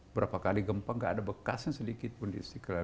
berapa kali gempa nggak ada bekasnya sedikit pun di istiqlal